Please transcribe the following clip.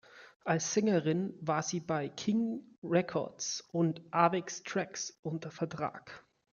Als Sängerin war sie bei King Records und Avex Trax unter Vertrag.